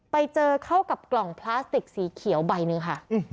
ไปเจอเข้ากับกล่องพลาสติกสีเขียวใบหนึ่งค่ะ